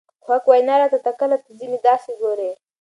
په حق وېنا راته تکله ځينې داسې ګوري